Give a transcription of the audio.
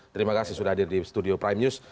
terima kasih sudah hadir di studio prime news